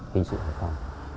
hình sự hợp phòng